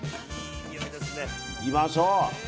いきましょう！